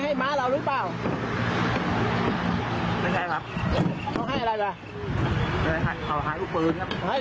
หายลูกปืน